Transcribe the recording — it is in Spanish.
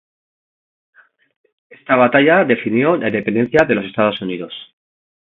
Esta batalla definió la independencia de los Estados Unidos.